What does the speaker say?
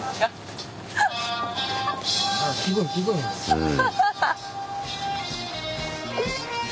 うん。